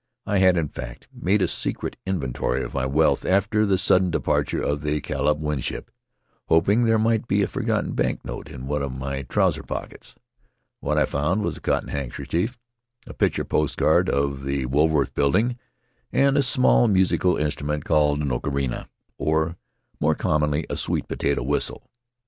I had, in fact, made a secret inventory of my wealth after the sudden departure of the Caleb Winship, hoping there might be a forgotten bank note in one of my trousers pockets. What I found was a cotton handkerchief, a picture post card of the Wool worth Building, and a small musical instrument called an ocharina, or, more commonly, a sweet potato whistle.